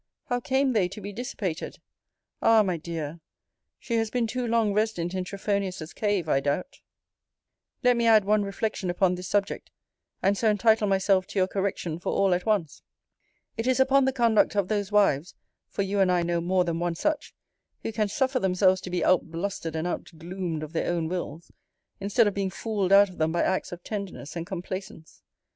How came they to be dissipated? Ah! my dear! she has been too long resident in Trophonius's cave, I doubt.* * Spectator, Vol. VIII. No. 599. Let me add one reflection upon this subject, and so entitle myself to your correction for all at once. It is upon the conduct of those wives (for you and I know more than one such) who can suffer themselves to be out blustered and out gloomed of their own wills, instead of being fooled out of them by acts of tenderness and complaisance.